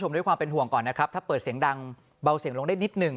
ด้วยความเป็นห่วงก่อนนะครับถ้าเปิดเสียงดังเบาเสียงลงได้นิดหนึ่ง